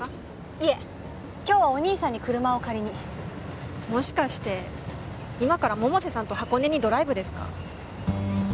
いえ今日はお義兄さんに車を借りにもしかして今から百瀬さんと箱根にドライブですか？